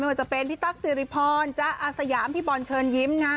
ว่าจะเป็นพี่ตั๊กสิริพรจ๊ะอาสยามพี่บอลเชิญยิ้มนะ